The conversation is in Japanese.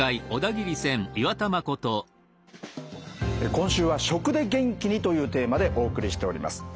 今週は「『食』で元気に！」というテーマでお送りしております。